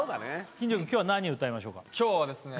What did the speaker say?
金城君今日は何歌いましょうか今日はですね